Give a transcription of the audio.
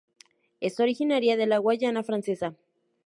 Es originaria de la Guayana Francesa.